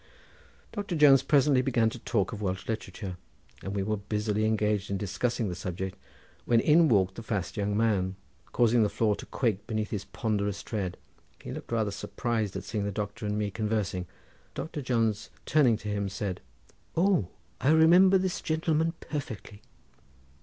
Doctor Jones presently began to talk of Welsh literature, and we were busily engaged in discussing the subject when in walked the fast young man, causing the floor to quake beneath his ponderous tread. He looked rather surprised at seeing the doctor and me conversing, but Doctor Jones turning to him said, "O I remember this gentleman perfectly."